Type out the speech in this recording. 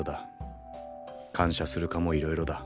感謝するかもいろいろだ。